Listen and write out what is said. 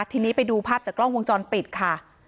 ทีนี้ไปดูภาพจากกล้องวงจรปิดค่ะ